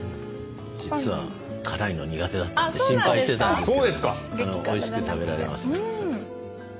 実は辛いの苦手だったんで心配してたんですけどもおいしく食べられます。